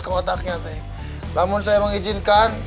kotaknya teh namun saya mengizinkan